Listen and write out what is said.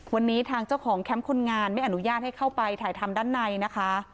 วันนี้ทางเจ้าของแคมป์คนงานไม่อนุญาตให้เข้าไปถ่ายทำด้านในนะคะ